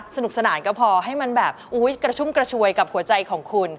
สนุกสนานก็พอให้มันแบบอุ๊ยกระชุ่มกระชวยกับหัวใจของคุณ